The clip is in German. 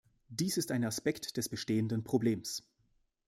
Dies ist ein Aspekt des bestehenden Problems.